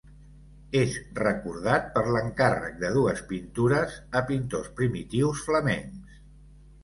És recordat per l'encàrrec de dues pintures a pintors primitius flamencs.